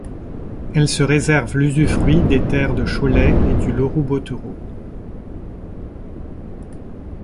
Elle se réserve l'usufruit des terres de Cholet et du Loroux-Bottereau.